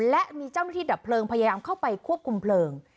และมีเจ้าหน้าที่ดับเพลิงพยายามเข้าไปควบคุมเพลิง